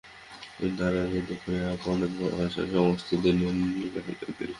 দ্বার রুদ্ধ করিয়া পণ্ডিতমহাশয় সমস্ত দিন কাঁদিলেন।